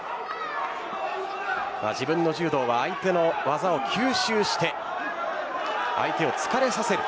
自分の柔道は相手の技を吸収して相手を疲れさせる。